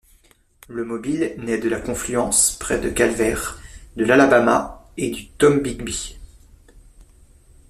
Le Mobile naît de la confluence, près de Calvert, de l'Alabama et du Tombigbee.